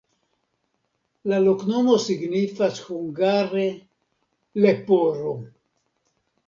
La loknomo signifas hungare: leporo.